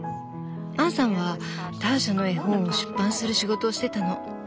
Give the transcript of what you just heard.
アンさんはターシャの絵本を出版する仕事をしてたの。